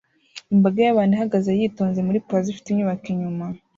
Imbaga y'abantu ihagaze yitonze muri plaza ifite inyubako inyuma